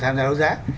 tham gia đấu giá